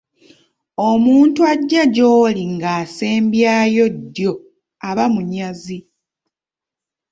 Omuntu ajja gy’oli ng’asembyayo ddyo aba munyazi.